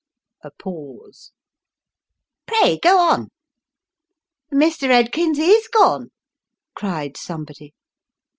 A pause. " Pray go on." " Mr. Edkins is gone," cried somebody.